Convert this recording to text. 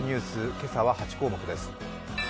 今朝は８項目です。